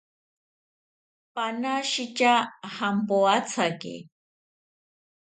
Panashitya jampoathaki